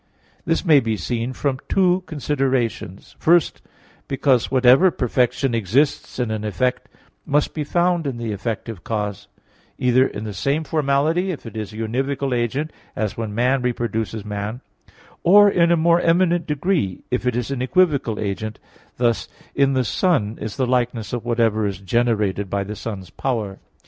This may be seen from two considerations. First, because whatever perfection exists in an effect must be found in the effective cause: either in the same formality, if it is a univocal agent as when man reproduces man; or in a more eminent degree, if it is an equivocal agent thus in the sun is the likeness of whatever is generated by the sun's power.